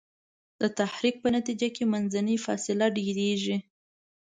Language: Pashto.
د تحرک په نتیجه کې منځنۍ فاصله ډیریږي.